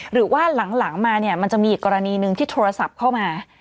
หรือว่าหลังมาเนี่ยมันจะมีอีกกรณีหนึ่งที่โทรศัพท์เข้ามา